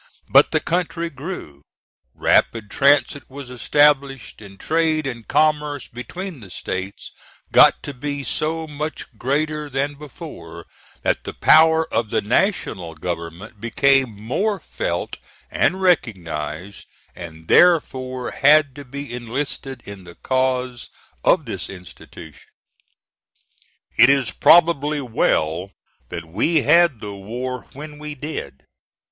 But the country grew, rapid transit was established, and trade and commerce between the States got to be so much greater than before, that the power of the National government became more felt and recognized and, therefore, had to be enlisted in the cause of this institution. It is probably well that we had the war when we did.